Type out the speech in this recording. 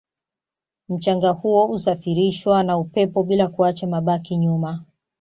mchanga huo husafirishwa na upepo bila kuacha mabaki nyuma